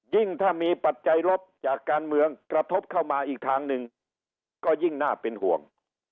ยิ่งถ้ามีปัจจัยลบจากการเมืองกระทบเข้ามาอีกทางหนึ่งก็ยิ่งน่าเป็นห่วง